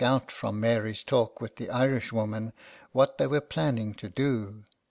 41 out, from Mary's talk with the Irish woman, what they were planning to do.